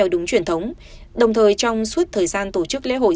đồng thời trong suốt thời gian tổ chức lễ hội